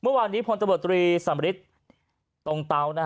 เมื่อวานนี้ผลตบตรีสำริตตรงเต้า